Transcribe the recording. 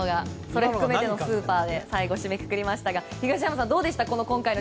それを含めてのスーパーで最後締めくくりましたが東山さん、どうでしたか。